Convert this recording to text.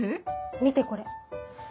⁉見てこれ。